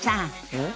うん？